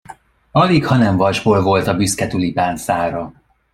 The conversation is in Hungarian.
Alighanem vasból volt a büszke tulipán szára.